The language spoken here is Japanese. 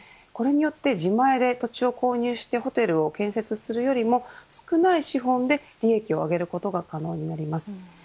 これによって自前で土地を購入してホテルを建設するよりも少ない資本で利益を上げることが可能になります。